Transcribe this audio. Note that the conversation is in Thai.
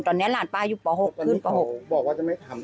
ตอนนี้หลานป้าอยู่ป่า๖ขึ้นป่า๖ตอนนี้เขาบอกว่าจะไม่ทำออก